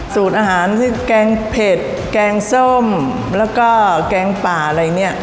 สูตรอาหารซึ่งแกงเผ็ดแกงส้มแล้วก็แกงป่าอะไรเนี่ย